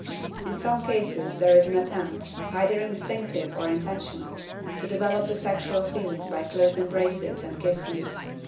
In some cases there is an attempt, either instinctive or intentional, to develop the sexual feeling by close embraces and kissing.